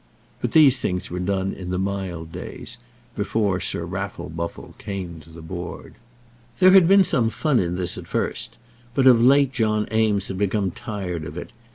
But these things were done in the mild days, before Sir Raffle Buffle came to the Board. There had been some fun in this at first; but of late John Eames had become tired of it.